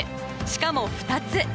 しかも、２つ。